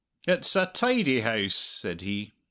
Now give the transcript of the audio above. "It's a tidy house!" said he.